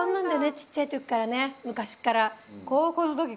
小っちゃい時からね昔っから。